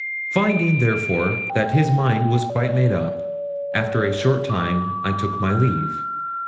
Finding, therefore, that his mind was quite made up, after a short time I took my leave.